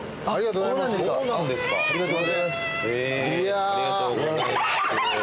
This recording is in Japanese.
ありがとうございます。